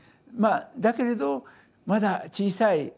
まあだけれどまだ小さい。